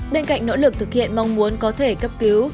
bên cạnh nỗ lực thực hiện mong muốn có thể cấp cứu